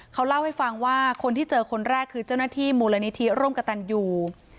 เขาเล่าให้ฟังว่าคนที่เจอคนแรกคือเจ้าหน้าที่มูลนิธิร่วมกับตันยู